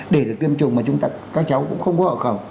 để được tiêm chủng mà chúng ta các cháu cũng không có hộ khẩu